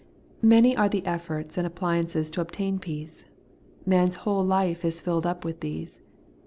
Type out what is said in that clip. Many are the efforts and appliances to obtain peace. Man's whole life is filled up with these.